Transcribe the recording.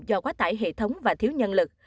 do quá tải hệ thống và thiếu nhân lực